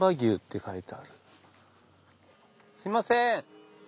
すみません。